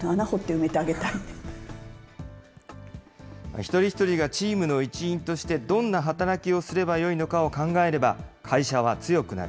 一人一人がチームの一員として、どんな働きをすればいいのかを考えれば、会社は強くなる。